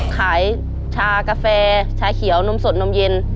ชากาแฟชาเขียวนมสดนมเย็น